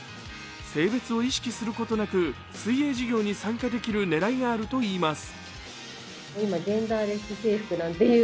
性別を意識することなく、水泳授業に参加できる狙いがあるといいます。